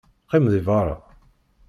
Qqim deg beṛṛa.